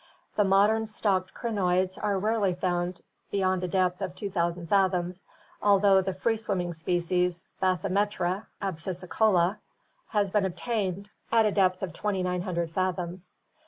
The modern stalked crinoids are rarely found beyond a depth of 2000 fathoms, although the free swim ming species, Bathymetra abyssicola, has been obtained at a depth of 2900 fathoms.